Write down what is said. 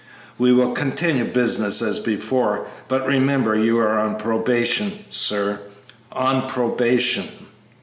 We will continue business as before; but remember, you are on probation, sir on probation!"